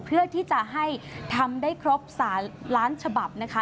เพื่อที่จะให้ทำได้ครบ๓ล้านฉบับนะคะ